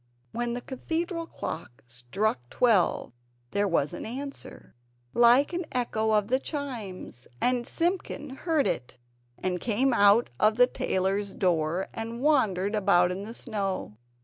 When the Cathedral clock struck twelve there was an answer like an echo of the chimes and Simpkin heard it, and came out of the tailor's door, and wandered about in the snow.